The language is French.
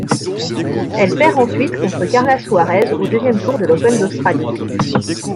Elle perd ensuite contre Carla Suárez au deuxième tour de l'Open d'Australie.